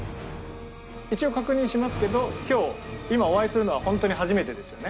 一応確認しますけど今日今お会いするのは本当に初めてですよね？